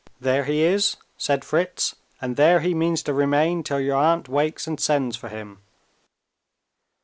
"There he is!" said Fritz, "and there he means to remain, till your aunt wakes and sends for him."